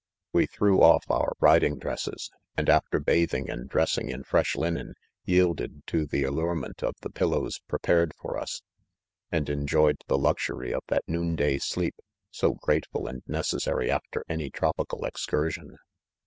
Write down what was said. "We threw, off our riding dresses,, and after hathing and dressing in fresh linen, yielded to the allurement of the pillows prepared for us^ and enjoyed the luxury of that noonday sleep^ so grateful and necessary after any tropical ex cursion.